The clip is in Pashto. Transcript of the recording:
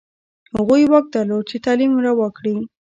هغوی واک درلود چې تعلیم روا کړي.